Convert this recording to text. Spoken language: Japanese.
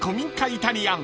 イタリアン？